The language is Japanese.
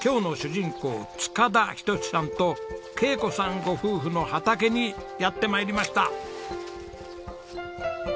塚田仁さんと恵子さんご夫婦の畑にやって参りました。